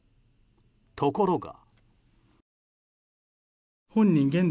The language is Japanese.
ところが。